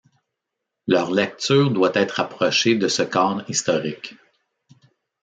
Leur lecture doit être rapprochée de ce cadre historique.